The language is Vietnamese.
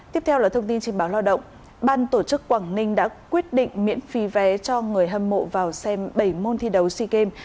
theo lo động ban tổ chức quảng ninh đã quyết định miễn phí vé cho người hâm mộ vào xem bảy môn thi đấu sea games